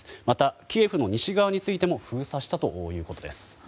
また、キエフの西側についても封鎖したということです。